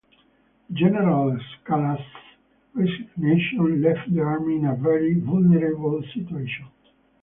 General Escala's resignation left the army in a very vulnerable situation.